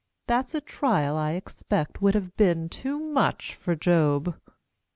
That's a trial, I expect, Would have been too much for Job!